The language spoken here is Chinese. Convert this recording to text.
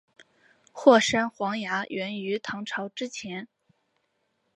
霍山黄芽源于唐朝之前。